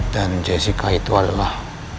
dan jessica itu adalah